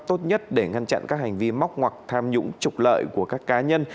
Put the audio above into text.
tốt nhất để ngăn chặn các hành vi móc ngoạc tham nhũng trục lợi của các cá nhân